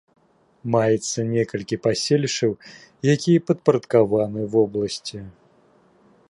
Маецца некалькі паселішчаў, якія падпарадкаваныя вобласці.